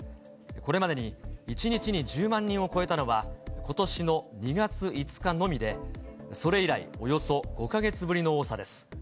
これまでに１日に１０万人を超えたのは、ことしの２月５日のみで、それ以来、およそ５か月ぶりの多さです。